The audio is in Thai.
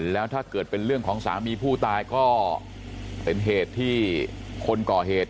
แล้วถ้าเกิดเป็นเรื่องของสามีผู้ตายก็เป็นเหตุที่คนก่อเหตุ